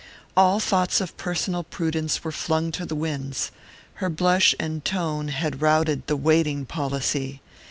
All thoughts of personal prudence were flung to the winds her blush and tone had routed the waiting policy.